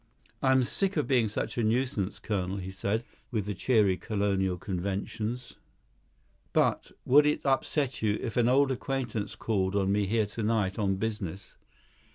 "I'm sick at being such a nuisance, colonel," he said, with the cheery colonial conventions; "but would it upset you if an old acquaintance called on me here tonight on business?